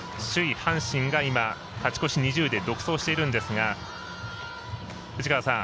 阪神が今、勝ち越し２０で独走しているんですが藤川さん